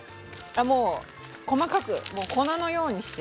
もう細かくもう粉のようにして。